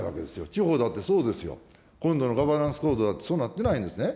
地方だってそうですよ。今度のガバナンス・コードだってそうなってないんですね。